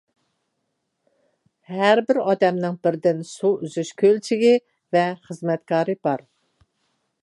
ھەربىر ئادەمنىڭ بىردىن سۇ ئۈزۈش كۆلچىكى ۋە خىزمەتكار بار.